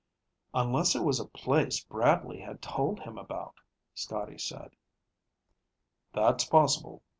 "Unless it was a place Bradley had told him about," Scotty said. "That's possible.